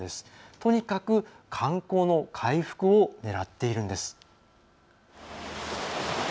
とにかく、観光の回復を狙っているんです。